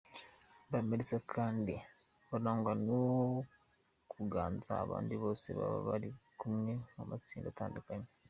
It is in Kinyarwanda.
Ba Melissa kandi barangwa no kuganza abandi bose baba bari kumwe mu matsinda atandukanye.